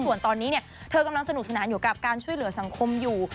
ส่วนตอนนี้เนี่ยเธอกำลังสนุกสนานอยู่กับการช่วยเหลือสังคมอยู่